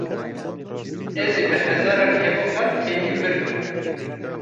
Ez ê bi hezaran hevokan tevlî vir bikim.